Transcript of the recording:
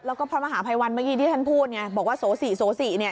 แล้วก็พระมหาภัยวัลเมื่อกี้ที่ท่านพูดบอกว่าโสศีโสศี